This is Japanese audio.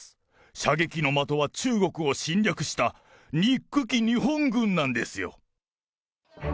射撃の的は中国を侵略した憎き日本軍なんですよ。